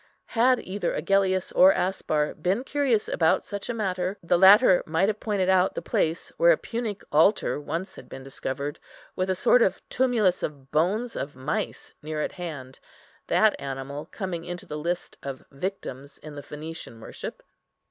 Had either Agellius or Aspar been curious about such a matter, the latter might have pointed out the place where a Punic altar once had been discovered, with a sort of tumulus of bones of mice near at hand, that animal coming into the list of victims in the Phœnician worship.